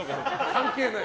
関係ない。